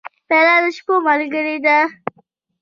پیاله د شپو ملګرې ده.